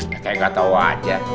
kayaknya nggak tau wajar